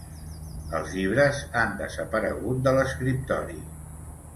Els llibres han desaparegut de l'escriptori.